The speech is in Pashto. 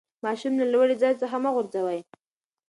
ماشوم له لوړي ځای څخه مه غورځوئ.